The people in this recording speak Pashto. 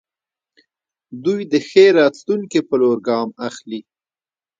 دوی د ښې راتلونکې په لور ګام اخلي.